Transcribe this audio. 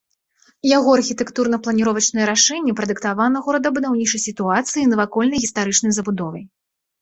Яго архітэктурна-планіровачнае рашэнне прадыктавана горадабудаўнічай сітуацыяй і навакольнай гістарычнай забудовай.